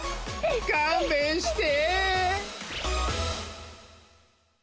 かんべんして！